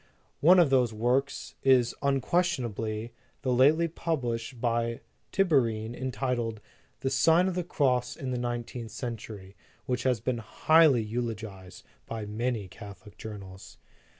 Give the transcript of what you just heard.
"One of those works is, unquestionably, that lately published by Tiberine, entitled The Sign of the Cross in the Nineteenth Cen tury, which has been highly eulogized by many Catholic journals.